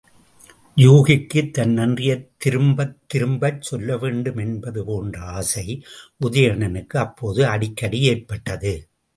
யூகிக்குத் தன் நன்றியைத் திரும்பத் திரும்பச் சொல்லவேண்டும் என்பது போன்ற ஆசை உதயணனுக்கு அப்போது அடிக்கடி ஏற்பட்டது.